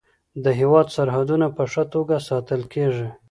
د هیواد سرحدونه په ښه توګه ساتل کیږي.